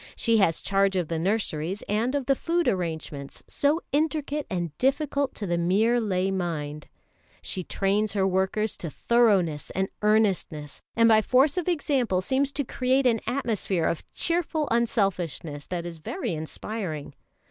She has charge of the nurseries and of the food arrangements, so intricate and difficult to the mere lay mind; she trains her workers to thoroughness and earnestness, and by force of example seems to create an atmosphere of cheerful unselfishness that is very inspiring.